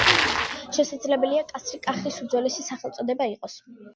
შესაძლებელია კასრი კახის უძველესი სახელწოდება იყოს.